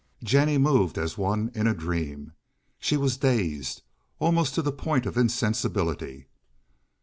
Jennie moved as one in a dream. She was dazed, almost to the point of insensibility.